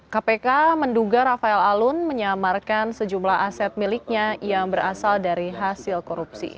kpk menduga rafael alun menyamarkan sejumlah aset miliknya yang berasal dari hasil korupsi